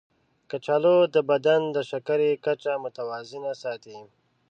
کچالو د بدن د شکرې کچه متوازنه ساتي.